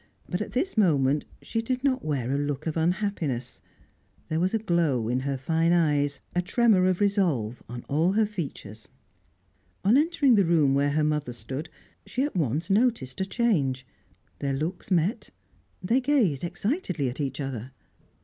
But at this moment she did not wear a look of unhappiness; there was a glow in her fine eyes, a tremour of resolve on all her features. On entering the room where her mother stood, she at once noticed a change. Their looks met: they gazed excitedly at each other.